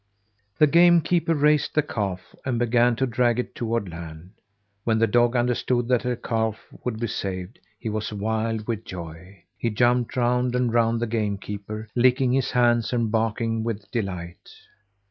The game keeper raised the calf and began to drag it toward land. When the dog understood that the calf would be saved he was wild with joy. He jumped round and round the game keeper, licking his hands and barking with delight.